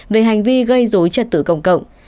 về hành vi gây dối trật tự công cộng